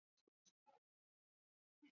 玛丽深责自己太大意。